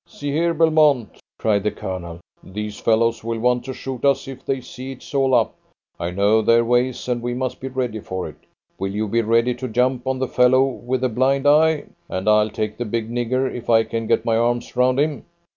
"See here, Belmont," cried the Colonel. "These fellows will want to shoot us if they see it is all up. I know their ways, and we must be ready for it. Will you be ready to jump on the fellow with the blind eye? and I'll take the big nigger, if I can get my arms round him.